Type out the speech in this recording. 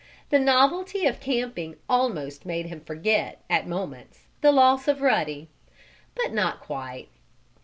The novelty of camping almost made him forget, at moments, the loss of Ruddy. But not quite.